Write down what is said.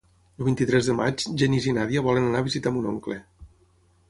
El vint-i-tres de maig en Genís i na Nàdia volen anar a visitar mon oncle.